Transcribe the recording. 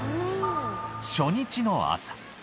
初日の朝。